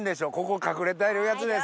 ここ隠れてるやつですね。